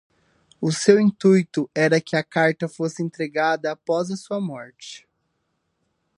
O seu intuito era que a carta fosse entregada após a sua morte.